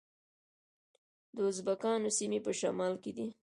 د ازبکانو سیمې په شمال کې دي